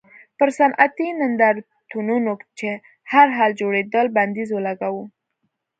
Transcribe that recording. پر صنعتي نندارتونونو چې هر کال جوړېدل بندیز ولګاوه.